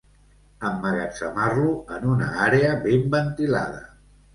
Emmagatzemar-lo en una àrea ben ventilada.